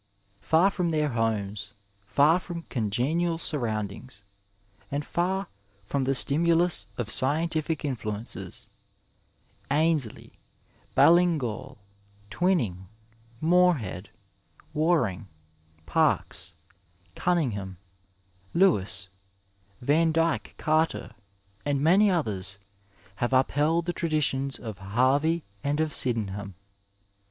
Far from their homes, far from congenial surroundings, and far from the stimulus of scientific influences, Annealey, BalUngall, Twining, Morehead, Waring, Parkes, Cunning ham, Lewis, Vandyke Garter, and many others, have up held the traditions of Harvey and of Sydenham.